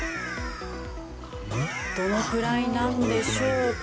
どのくらいなんでしょうか？